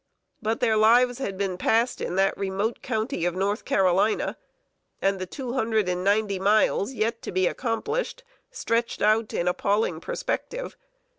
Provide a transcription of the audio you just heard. But their lives had been passed in that remote county of North Carolina, and the two hundred and ninety miles yet to be accomplished stretched out in appalling prospective.